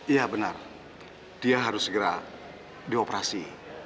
iya benar dia harus segera dioperasi